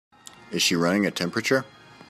Is she running a temperature?